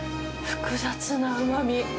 複雑なうまみ。